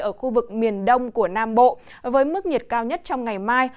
ở khu vực miền đông của nam bộ với mức nhiệt cao nhất trong ngày mai